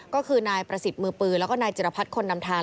ก็คือนายประสิทธิ์มือปืนแล้วก็นายจิรพัฒน์คนนำทาง